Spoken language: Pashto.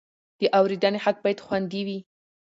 د اورېدنې حق باید خوندي وي.